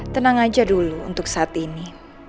tenang aja dulu untuk saat ini